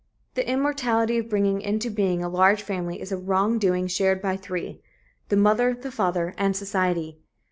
The immorality of bringing into being a large family is a wrong doing shared by three the mother, the father and society.